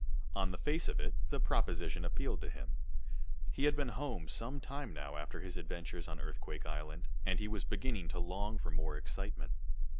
On the face of it, the proposition appealed to him. He had been home some time now after his adventures on Earthquake Island, and he was beginning to long for more excitement.